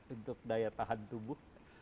untuk daya tahan tubuh